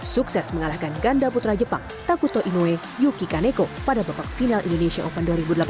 sukses mengalahkan ganda putra jepang takuto inoe yuki kaneko pada babak final indonesia open dua ribu delapan belas